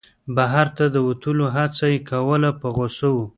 بهر ته د وتلو هڅه یې کوله په غوسه و.